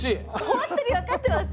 本当に分かってます？